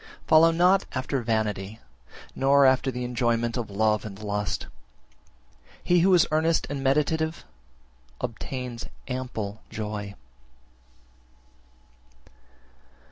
27. Follow not after vanity, nor after the enjoyment of love and lust! He who is earnest and meditative, obtains ample joy.